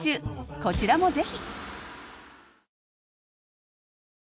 こちらもぜひ！